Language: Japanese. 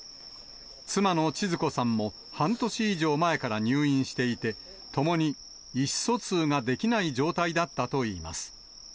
妻のちづ子さんも半年以上前から入院していて、共に意思疎通ができない状態だったといいます。